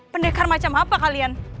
pendekar macam apa kalian